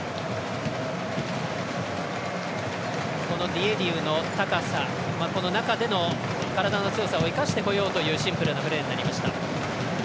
ディエディウの高さ中での体の強さを生かしてこようというシンプルなプレーになりました。